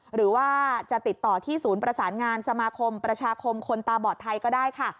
หรือว่าจะติดต่อที่ศูนย์ประสานงานสมาคมประชาคมคนตาบอดไทยก็ได้ค่ะ